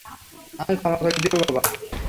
আমায় ক্ষমা করে দিও, বাবা।